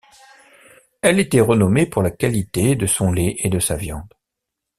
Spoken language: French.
Elle était renommée pour la qualité de son lait et de sa viande.